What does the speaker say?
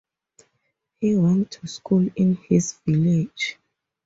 He went to school in his village.